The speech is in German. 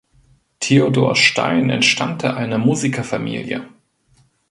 Theodor Stein entstammte einer Musikerfamilie.